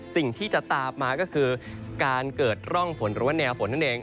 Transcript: สิ่งที่จะตามมาก็คือการเกิดร่องฝนหรือว่าแนวฝนนั่นเอง